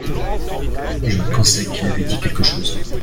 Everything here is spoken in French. Je pensais qu’il avait dit quelque chose.